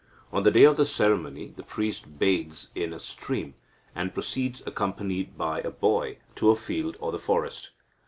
On the day of the ceremony, the priest bathes in a stream, and proceeds, accompanied by a boy, to a field or the forest.